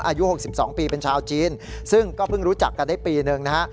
อายุ๖๒ปีเป็นชาวจีนซึ่งก็เพิ่งรู้จักกันได้ปีหนึ่งนะฮะ